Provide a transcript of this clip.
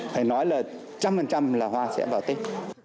phải nói là trăm phần trăm là hoa sẽ vào tết